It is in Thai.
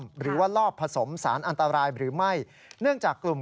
ยอมรับว่าการตรวจสอบเพียงเลขอยไม่สามารถทราบได้ว่าเป็นผลิตภัณฑ์ปลอม